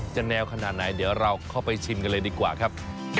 แนวขนาดไหนเดี๋ยวเราเข้าไปชิมกันเลยดีกว่าครับ